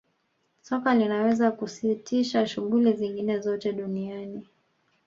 soka linaweza kusitisha shughuli zingine zote duniani